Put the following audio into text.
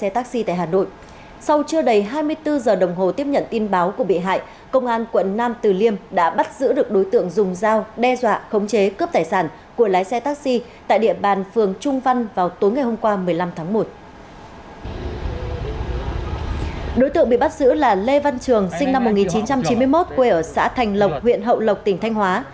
trường bị bắt giữ là lê văn trường sinh năm một nghìn chín trăm chín mươi một quê ở xã thành lộc huyện hậu lộc tỉnh thanh hóa